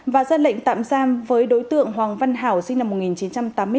và ra lệnh tạm giam với đối tượng hoàng văn hảo sinh năm một nghìn chín trăm tám mươi bốn